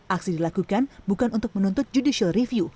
aksi dilakukan bukan untuk menuntut judicial review